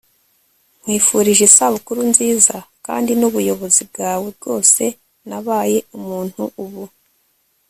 nkwifurije isabukuru nziza kandi nubuyobozi bwawe bwose nabaye umuntu ubu